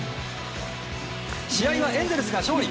試合はエンゼルスが勝利。